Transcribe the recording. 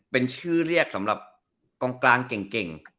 เป็นชื่อเรียกเสมอสำหรับกลางแก่ง